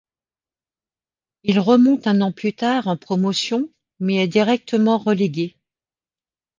Il remonte un an plus tard en Promotion, mais est directement relégué.